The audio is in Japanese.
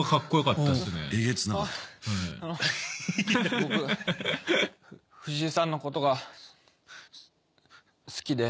僕フジエさんのことが好きで。